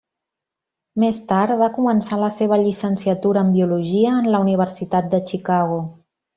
Més tard, va començar la seva llicenciatura en biologia en la Universitat de Chicago.